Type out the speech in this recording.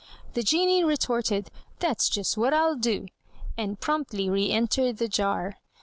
The genie retorted: "That's just what I'll do!" And promptly reëntered the jar.